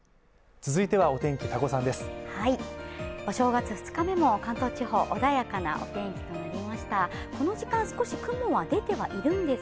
続いてはお天気、多胡さんです。